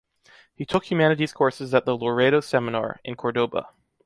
He took Humanities courses at the Loreto Seminar, in Córdoba.